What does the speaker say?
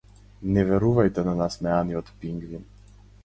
Не верувајте на насмеаниот пингвин.